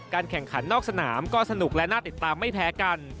แข่งขันนอกสนามก็สนุกและน่าติดตามไม่แพ้กัน